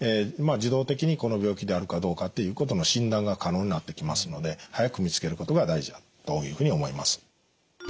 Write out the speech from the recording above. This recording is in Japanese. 自動的にこの病気であるかどうかっていうことの診断が可能になってきますので早く見つけることが大事だというふうに思います。